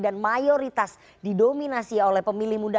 dan mayoritas didominasi oleh pemilih muda